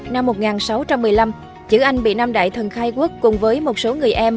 năm một nghìn sáu trăm một mươi năm chữ anh bị năm đại thần khai quốc cùng với một số người em